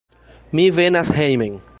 Mi venas hejmen.